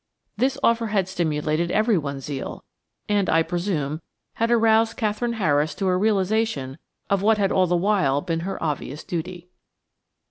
This offer had stimulated everyone's zeal, and, I presume, had aroused Katherine Harris to a realisation of what had all the while been her obvious duty.